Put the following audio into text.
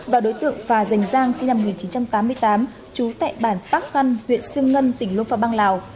và đối tượng phà dành giang sinh năm một nghìn chín trăm tám mươi tám chú tẹ bản pháp ngân huyện sương ngân tỉnh luông pha bang lào